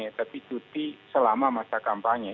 bukan izin cuti selama masa kampanye